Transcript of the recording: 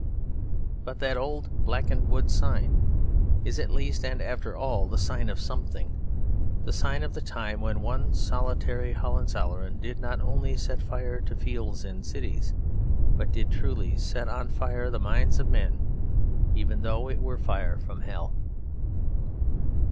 But that old blackened wooden sign is at least and after all the sign of something; the sign of the time when one solitary Hohenzollern did not only set fire to fields and cities, but did truly set on fire the minds of men, even though it were fire from hell.